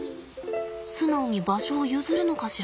素直に場所を譲るのかしら。